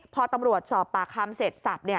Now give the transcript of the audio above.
พอตำรวจสอบป่าคำเสร็จศัพท์